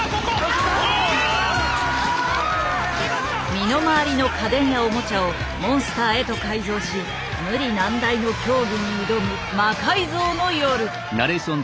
身の回りの家電やオモチャをモンスターへと改造し無理難題の競技に挑む「魔改造の夜」。